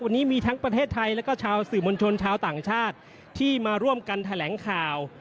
วันนี้มีทั้งประเทศไทยแล้วก็ชาวสื่อมวลชนชาวต่างชาติที่มาร่วมกันแถลงข่าว